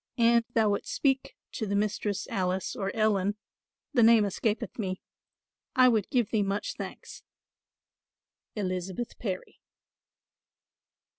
"An thou wouldst speak to the Mistress Alice or Ellen, the name escapeth me, I would give thee much thanks. "ELIZABETH PARRY."